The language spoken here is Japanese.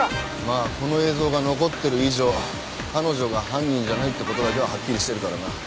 まあこの映像が残ってる以上彼女が犯人じゃないって事だけははっきりしてるからな。